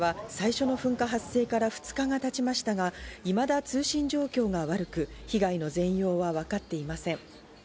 現地では最初の噴火発生から２日が経ちましたが、いまだ通信状況が悪く、被害の全容はわかっていません。